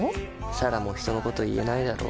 彩良も人のこと言えないだろ。